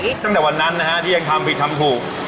ตั้งแต่วันนั้นนะฮะที่ยังทำผิดทำถูก